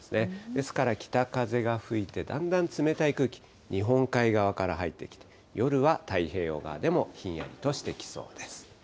ですから北風が吹いて、だんだん冷たい空気、日本海側から入ってきて、夜は太平洋側でもひんやりとしてきそうです。